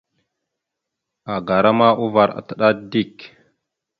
Agara ma uvar ataɗá dik.